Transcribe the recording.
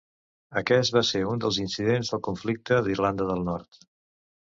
Aquest va ser un dels incidents del conflicte d'Irlanda del Nord.